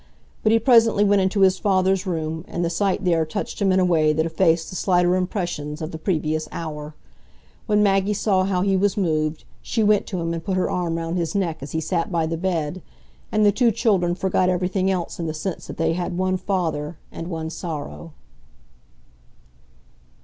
But he presently went into his father's room, and the sight there touched him in a way that effaced the slighter impressions of the previous hour. When Maggie saw how he was moved, she went to him and put her arm round his neck as he sat by the bed, and the two children forgot everything else in the sense that they had one father and one sorrow.